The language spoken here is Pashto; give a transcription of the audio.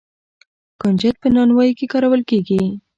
کنجد په نانوايۍ کې کارول کیږي.